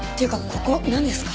ここなんですか？